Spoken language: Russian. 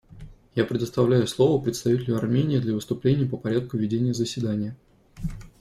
Я предоставляю слово представителю Армении для выступления по порядку ведения заседания.